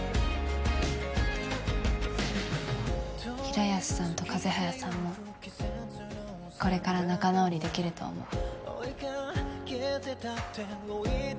平安さんと風早さんもこれから仲直りできると思う。